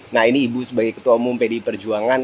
nah ini ibu sebagai ketua umum pdi perjuangan